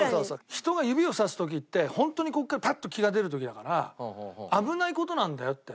人が指をさす時ってホントにここからパッと気が出る時だから危ない事なんだよって。